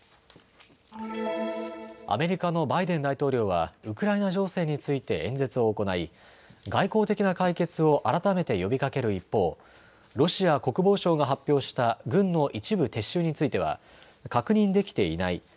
アメリカのバイデン大統領は、ウクライナ情勢について演説を行い外交的な解決を改めて呼びかける一方、ロシア国防省が発表した軍の一部撤収については確認できていない。